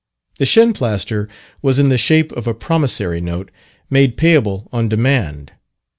The Shinplaster was in the shape of a promissory note, made payable on demand.